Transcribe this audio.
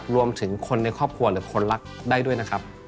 รวมถึงคนในครอบครัวหรือคนรักได้ด้วยนะครับ